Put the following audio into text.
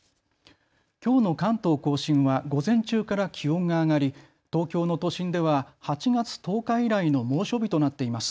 きょうの関東甲信は午前中から気温が上がり、東京の都心では８月１０日以来の猛暑日となっています。